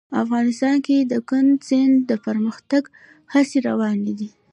افغانستان کې د کندز سیند د پرمختګ هڅې روانې دي.